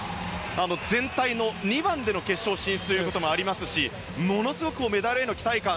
全体の２番での決勝進出ということもありますしものすごくメダルへの期待感